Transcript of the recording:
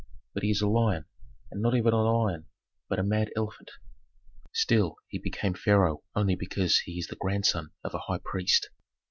But he is a lion, and not even a lion, but a mad elephant. Still he became pharaoh only because he is the grandson of a high priest.